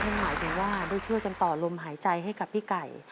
หมายถึงว่าได้ช่วยกันต่อลมหายใจให้กับพี่ไก่